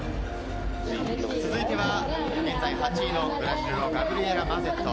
続いては現在８位のブラジル、ガブリエラ・マゼット。